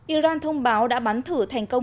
iran thông báo đã bắn thử thành công